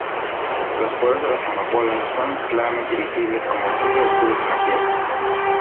Los poros de las ampollas son claramente visibles como puntos oscuros en la piel.